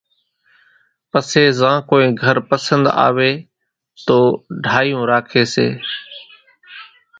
پسيَ زان ڪونئين گھر پسنۮ آويَ تو ڍايوُن راکيَ سي۔